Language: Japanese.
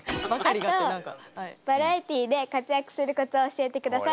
あとバラエティーで活躍するコツを教えてください。